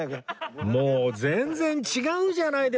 もう全然違うじゃないですか！